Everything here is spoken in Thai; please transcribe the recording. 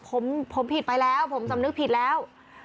ผมผมผิดไปแล้วผมสำนึกผิดแล้ว